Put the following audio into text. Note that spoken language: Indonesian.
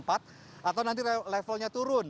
atau nanti levelnya turun